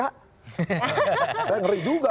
saya ngeri juga